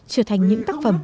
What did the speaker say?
trở thành những tác phẩm